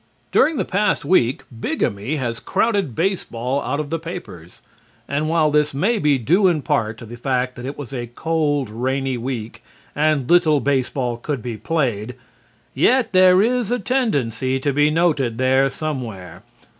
During the past week bigamy has crowded baseball out of the papers, and while this may be due in part to the fact that it was a cold, rainy week and little baseball could be played, yet there is a tendency to be noted there somewhere.